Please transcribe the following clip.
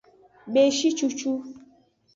Beshi cucu.